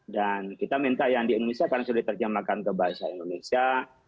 dan kita minta yang di indonesia karena sudah diterjemahkan ke bahasa indonesia